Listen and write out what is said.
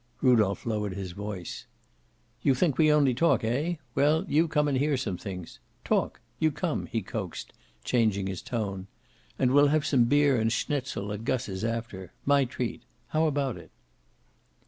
Rudolph lowered his voice. "You think we only talk, eh? Well, you come and hear some things. Talk! You come," he coaxed, changing his tone. "And we'll have some beer and schnitzel at Gus's after. My treat. How about it?"